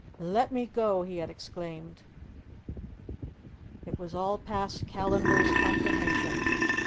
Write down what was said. "Let me go!" he had exclaimed. It was all past Callandar's comprehension.